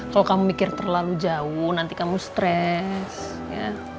kalau kamu mikir terlalu jauh nanti kamu stress